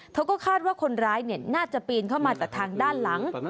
เขาก็คาดว่าคนร้ายน่าจะปีนเข้ามาจากทางด้านหลัง